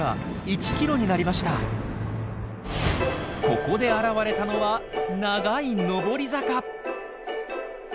ここで現れたのは長い登り坂。